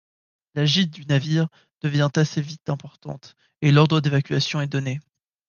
La gîte du navire devient assez vite importante et l'ordre d'évacuation est donné.